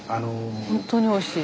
本当においしい。